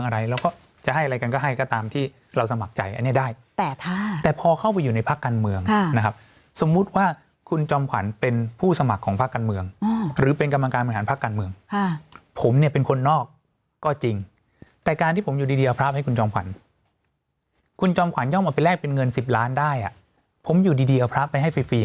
ได้แต่ท่าแต่พอเข้าไปอยู่ในภาคกรรมเมืองนะครับสมมุติว่าคุณจอมขวัญเป็นผู้สมัครของภาคกรรมเมืองหรือเป็นกำลังการแบ่งทางภาคกรรมเมืองค่ะผมเนี้ยเป็นคนนอกก็จริงแต่การที่ผมอยู่ดีดีเอาพร้อมให้คุณจอมขวัญคุณจอมขวัญย่อมออกไปแลกเป็นเงินสิบล้านได้อ่ะผมอยู่ดีดีเอาพร้อมไปให้ฟรี